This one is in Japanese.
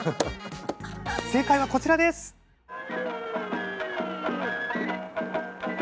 正解はこちらです！え！